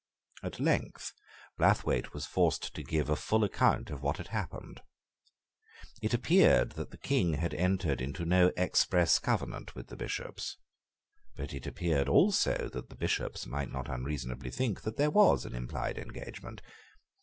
At length Blathwayt was forced to give a full account of what had passed. It appeared that the King had entered into no express covenant with the Bishops. But it appeared also that the Bishops might not unreasonably think that there was an implied engagement.